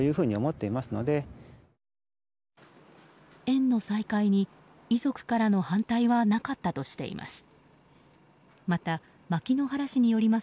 園の再開に、遺族からの反対はなかったとしています。